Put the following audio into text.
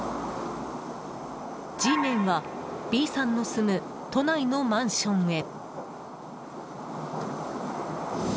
ＧメンはＢさんの住む都内のマンションへ。